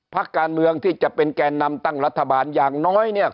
พักการเมืองที่จะเป็นแก่นำตั้งรัฐบาลอย่างน้อยเนี่ย